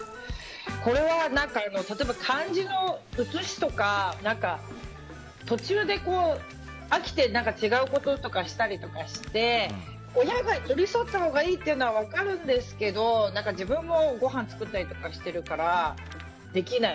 これは例えば漢字の写しとか途中で飽きて違うこととかしたりして親が寄り添ったほうがいいのは分かるんですけど自分もごはんを作ったりとかしてるから、できない。